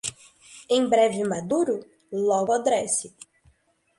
Em breve maduro? logo apodrece